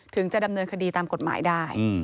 ถึงจะดำเนินคดีตามกฎหมายได้